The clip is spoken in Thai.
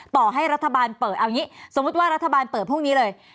ต่อให้รัฐบาลเปิดเอาอย่างนี้สมมุติว่ารัฐบาลเปิดพรุ่งนี้เลย